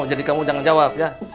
jadi kamu jangan jawab ya